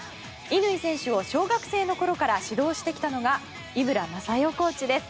乾選手を小学生の頃から指導してきたのが井村雅代コーチです。